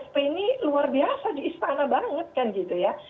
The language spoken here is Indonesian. penny luar biasa di istana banget kan gitu ya